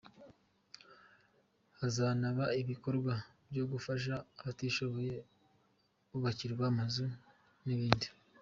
Hazanaba ibikorwa byo gufasha abatishoboye bubakirwa amazu n’ibindi.